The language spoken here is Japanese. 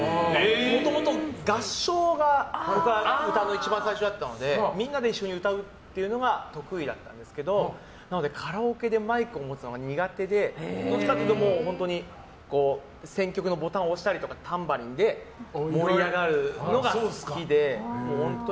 もともと、合唱が僕は歌の一番最初だったのでみんなで一緒に歌うっていうのが得意だったんですけどなのでカラオケでマイクを持つのが苦手でどっちかっていうと本当に選曲のボタン押したりとかタンバリンで盛り上がるのが好きで。